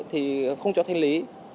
thì không cho thanh lý